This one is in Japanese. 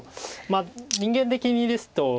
まあ人間的にですと。